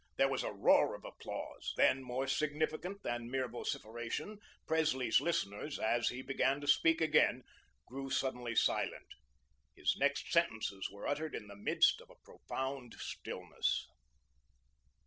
There was a roar of applause; then, more significant than mere vociferation, Presley's listeners, as he began to speak again, grew suddenly silent. His next sentences were uttered in the midst of a profound stillness.